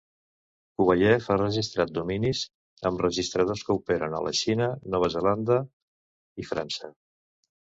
Kuvayev ha registrat dominis amb registradors que operen a la Xina, Nova Zelanda i França.